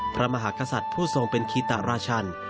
พระมหากษัตริย์ผู้ทรงเป็นคีตราชัน